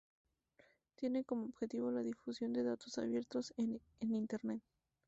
Tiene como objetivo la difusión de datos abiertos en Internet.